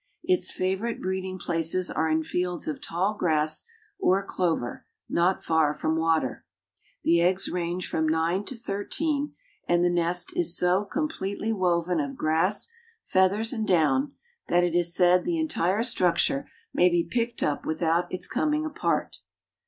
Its favorite breeding places are in fields of tall grass or clover, not far from water. The eggs range from nine to thirteen, and the nest is so completely woven of grass, feathers, and down that it is said the entire structure may be picked up without its coming apart.